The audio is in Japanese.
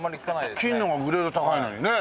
金の方がグレード高いのにね。